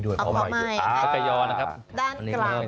ใต้กลาง